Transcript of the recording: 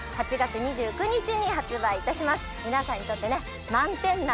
皆さんにとって満点な。